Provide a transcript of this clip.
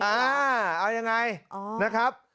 อ่าเอายังไงนะครับ